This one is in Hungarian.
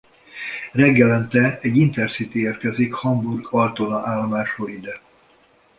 Reggelente egy Intercity érkezik Hamburg-Altona állomásról ide.